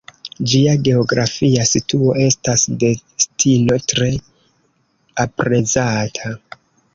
Ĝia geografia situo estas destino tre aprezata.